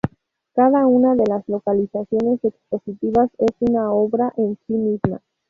Cada una de las localizaciones expositivas es una obra en sí misma.